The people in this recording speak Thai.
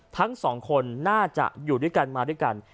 ทั้งสองคนน่าจะอยู่ด้วยกันมาด้วยกัน